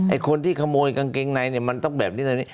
ไอ้คนที่ขโมยกางเกงในเนี่ยมันต้องแบบนี้แบบนี้